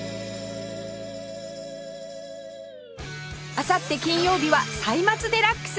あさって金曜日は『歳末デラックス』